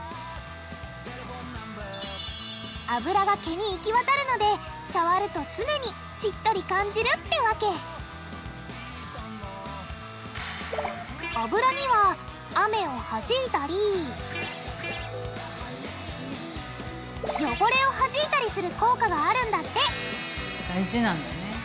あぶらが毛に行き渡るので触ると常にしっとり感じるってわけあぶらには雨をはじいたりよごれをはじいたりする効果があるんだって大事なんだね。